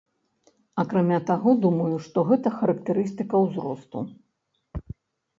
Акрамя таго, думаю, што гэта характарыстыка ўзросту.